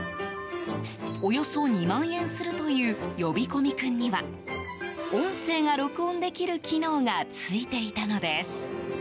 およそ２万円するという呼び込み君には音声が録音できる機能がついていたのです。